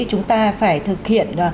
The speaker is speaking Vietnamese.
chúng ta phải thực hiện